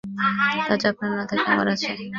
কাজ আপনার না থাকে আমাদের আছে।